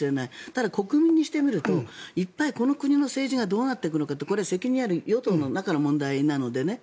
ただ、国民にしてみると一体、この国の政治がどうなっていくのかこれは責任ある与党の中の問題なのでね